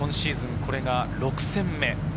これが６戦目。